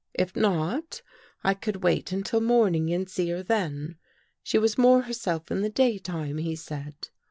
If not, I could wait until morning and see her then. She was more herself in the daytime, he said.